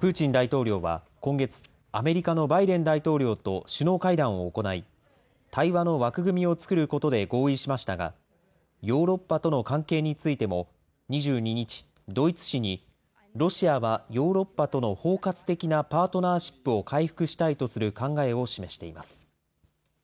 プーチン大統領は今月、アメリカのバイデン大統領と首脳会談を行い、対話の枠組みを作ることで合意しましたが、ヨーロッパとの関係についても２２日、ドイツ紙にロシアはヨーロッパとの包括的なパートナーシップを回復したいとする考えを示しています。